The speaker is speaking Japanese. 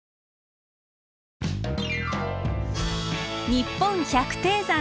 「にっぽん百低山」。